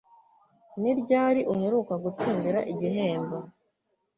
Ni ryari uheruka gutsindira igihembo?